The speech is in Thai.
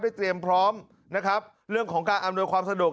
เตรียมพร้อมนะครับเรื่องของการอำนวยความสะดวก